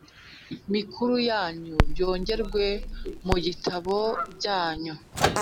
mikuru yanyu Byongerwe ku bitambo byanyu